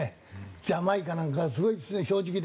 ジャマイカなんかはすごいですね正直で。